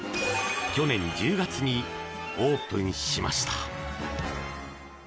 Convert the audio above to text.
去年１０月にオープンしました。